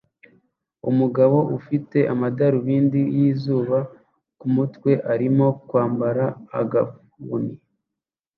Umugabo ufite amadarubindi yizuba kumutwe arimo kwambara agafuni